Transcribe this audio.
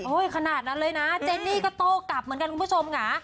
ขนาดนั้นเลยนะเจนี่ก็โต้กลับเหมือนกันคุณผู้ชมค่ะ